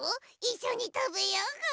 いっしょにたべようぐ。